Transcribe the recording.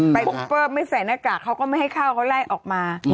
ซุปเปอร์ไม่ใส่หน้ากากเขาก็ไม่ให้เข้าเขาไล่ออกมา